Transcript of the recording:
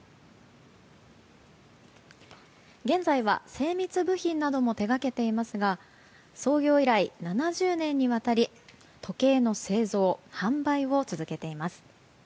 現在は精密部品なども手掛けていますが創業以来、７０年にわたり時計の製造・販売を続けています。